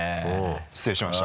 失礼しました。